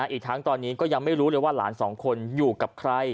อีกทั้งตอนนี้ก็ยังไม่รู้เลยว่าหลานสองคนอยู่กับใคร